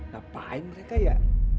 ngapain mereka ya